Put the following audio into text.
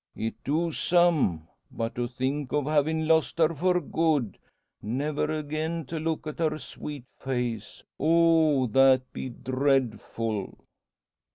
"It do some. But to think of havin' lost her for good never again to look at her sweet face. Oh! that be dreadful!"